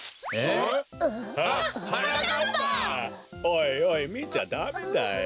おいおいみちゃダメだよ。